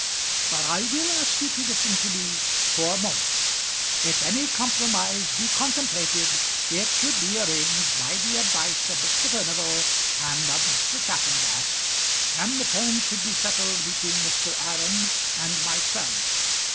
"But I will ask you to listen to me for a moment. If any compromise be contemplated, it should be arranged by the advice of Mr. Furnival and of Mr. Chaffanbrass, and the terms should be settled between Mr. Aram and my son.